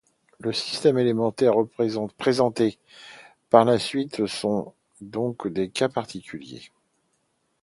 Les systèmes élémentaires présentés par la suite sont donc des cas particuliers.